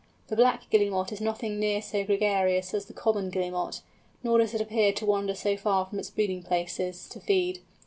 The Black Guillemot is nothing near so gregarious as the Common Guillemot, nor does it appear to wander so far from its breeding places to feed.